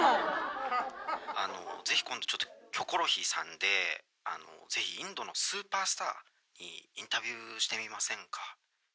「あのぜひ今度『キョコロヒー』さんでぜひインドのスーパースターにインタビューしてみませんか？」